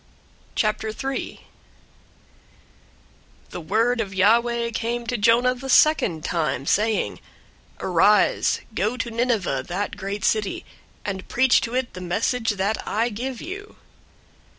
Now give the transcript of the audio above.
003:001 The word of Yahweh came to Jonah the second time, saying, 003:002 "Arise, go to Nineveh, that great city, and preach to it the message that I give you."